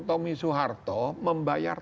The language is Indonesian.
tommy soeharto membayar